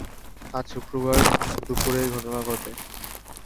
আজ শুক্রবার দুপুরে এ ঘটনা ঘটে।